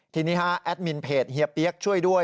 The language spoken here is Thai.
ทีนี้ฮะแอดมินเพจเฮียเปี๊ยกช่วยด้วย